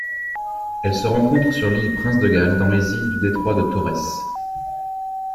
Elle se rencontre sur l'île Prince-de-Galles dans les îles du détroit de Torrès.